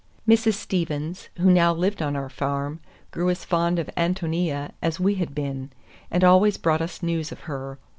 Mrs. Steavens, who now lived on our farm, grew as fond of Ántonia as we had been, and always brought us news of her.